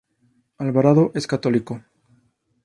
Alvarado es católico.